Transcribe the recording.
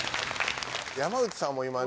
山内さんも今ね。